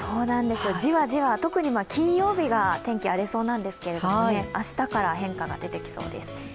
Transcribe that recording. じわじわ、特に金曜日が天気荒れそうなんですけれども、明日から変化が出てきそうです。